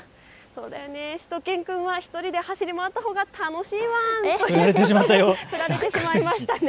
そうだよね、しゅと犬くんは１人で走り回ったほうが楽しいワン！ふられてしまいました。